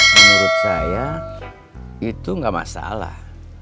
menurut saya itu tidak masalah